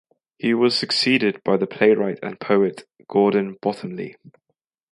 He was succeeded by the playwright and poet Gordon Bottomley.